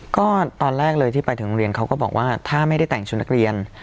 ก็ตอนแรกเลยที่ไปถึงโรงเรียนเขาก็บอกว่าถ้าไม่ได้แต่งชุดนักเรียน